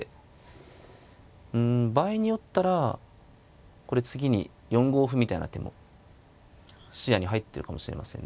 うん場合によったらこれ次に４五歩みたいな手も視野に入ってるかもしれませんね。